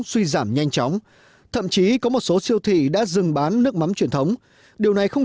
suy giảm nhanh chóng thậm chí có một số siêu thị đã dừng bán nước mắm truyền thống điều này không